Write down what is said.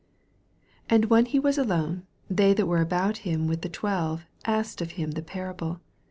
10 And when he was alone, they that were about him with the twelve asked of him the parable.